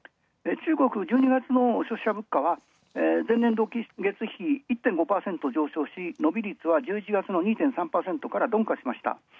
中国１２月の消費者物価は前年度月より１．５％上昇し、伸び率は１１月の２．３％から鈍化しました。